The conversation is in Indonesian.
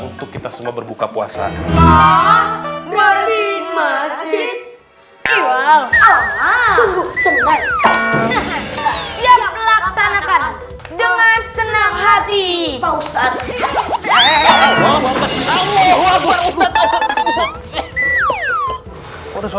untuk kita semua berbuka puasa berarti masih iwal alamak sungguh senang